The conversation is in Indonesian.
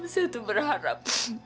saya itu berharap